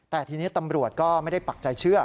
แต่ทีนี้ตำรวจก็ไม่ได้ปักใจเชื่อ